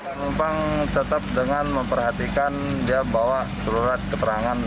penumpang tetap dengan memperhatikan dia bawa surat keterangan